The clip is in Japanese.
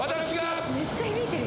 めっちゃ響いてるよ。